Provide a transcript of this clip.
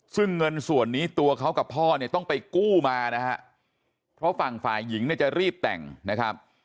ซึ่งเงินส่วนนี้ตัวเขากับพ่อเนี่ยต้องไปกู้มานะฮะเพราะฝั่งฝ่ายหญิงเนี่ยจะรีบแต่งนะครับ